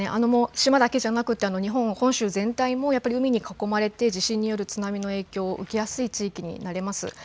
島だけじゃなくて、日本、本州全体もやっぱり海に囲まれて、地震による津波の影響を受けやすい地域になります。